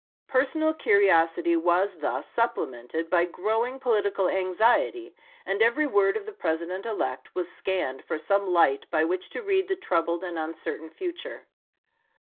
Personal curiosity was thus supplemented by growing political anxiety, and every word of the President elect was scanned for some light by which to read the troubled and un certain future.